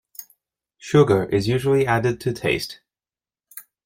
Sugar is usually added to taste.